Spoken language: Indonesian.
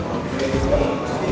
oh ini dia